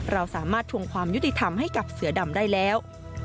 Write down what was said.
เราสามารถทวงความยุติธรรมให้กับเสือดำได้แล้ว